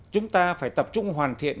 chúng ta phải tập trung hoàn thiện